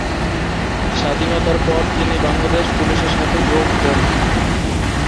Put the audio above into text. স্বাধীনতার পর তিনি বাংলাদেশ পুলিশের সাথে যোগ দেন।